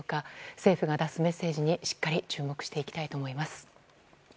政府が出すメッセージにしっかり注目していきたいと思います。